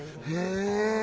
へえ。